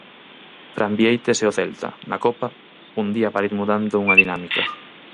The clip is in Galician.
Fran Vieites e o Celta, na Copa, un día para ir mudando unha dinámica.